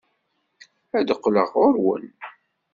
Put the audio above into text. Ad d-qqleɣ ɣer-wen.